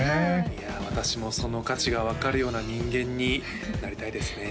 いやあ私もその価値が分かるような人間になりたいですね